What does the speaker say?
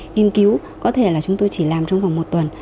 nghiên cứu có thể là chúng tôi chỉ làm trong vòng một tuần